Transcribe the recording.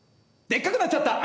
でっかくなっちゃった！